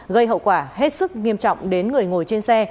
gây hậu quả hết sức nghiêm trọng đến người ngồi trên xe